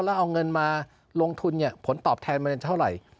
แล้วเอาเงินมาลงทุนผลตอบแทนมันจะเท่าไหร่